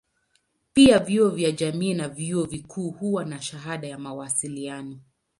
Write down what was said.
Pia vyuo vya jamii na vyuo vikuu huwa na shahada ya mawasiliano.